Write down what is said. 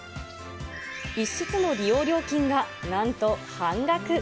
１室の利用料金がなんと半額。